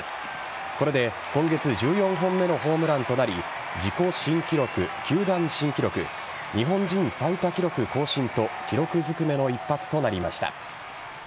これで今月１４本目のホームランとなり自己新記録、球団新記録日本人最多記録更新と記録ずくめの一発となりました。